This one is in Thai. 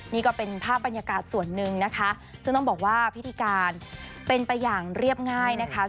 นี่ก็เป็นภาพบรรยากาศส่วนหนึ่งนะคะซึ่งต้องบอกว่าพิธีการเป็นไปอย่างเรียบง่ายนะคะ